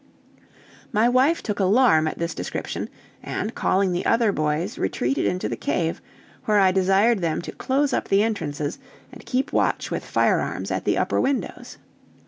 My wife took alarm at this description, and calling the other boys, retreated into the cave, where I desired them to close up the entrances, and keep watch with firearms at the upper windows.